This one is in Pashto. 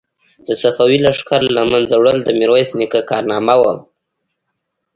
د صفوي لښکر له منځه وړل د میرویس نیکه کارنامه وه.